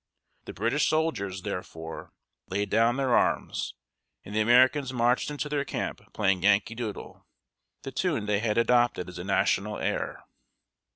The British soldiers, therefore, laid down their arms, and the Americans marched into their camp playing "Yankee Doodle," the tune they had adopted as a national air.